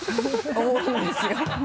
思うんですよ。